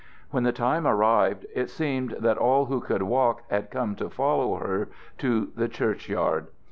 When the time arrived, it seemed that all who could walk had come to follow her to the church yard.